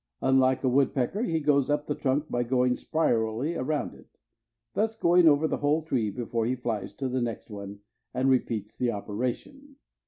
Unlike a woodpecker, he goes up the trunk by going spirally around it, thus going over the whole tree before he flies to the next one and repeats the operation.